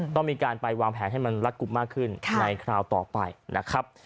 ต้องมีการไปวางแผนให้มันรัดกลุ่มมากขึ้นในคราวต่อไปนะครับ